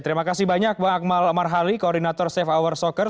terima kasih banyak bang akmal marhali koordinator safe hour soccer